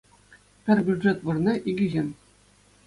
Пӗр бюджет вырӑна — икӗ ҫын